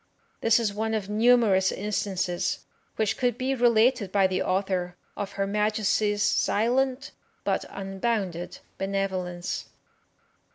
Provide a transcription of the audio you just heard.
This is one of numerous instances which could be related by the author of her Majesty's silent, but unbounded benevolence.